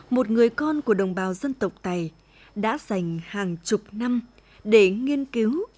một người con của đồng bào dân tộc tài đã dành hàng chục năm để nghiên cứu